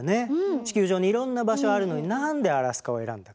地球上にいろんな場所あるのになんでアラスカを選んだか。